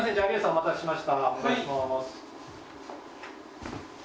お願いします。